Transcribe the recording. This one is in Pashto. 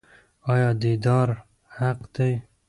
آیا دیدار حق دی؟